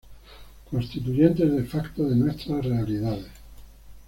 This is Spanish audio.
constituyentes de facto de nuestras realidades